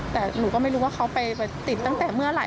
แต่หนูก็ไม่รู้ว่าเขาไปติดตั้งแต่เมื่อไหร่